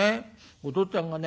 おとっつぁんがね